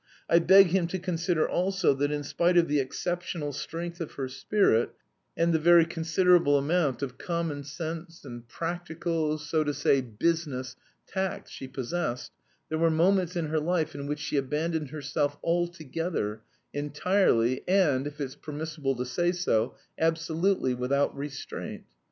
I beg him to consider also, that in spite of the exceptional strength of her spirit and the very considerable amount of common sense and practical, so to say business, tact she possessed, there were moments in her life in which she abandoned herself altogether, entirely and, if it's permissible to say so, absolutely without restraint.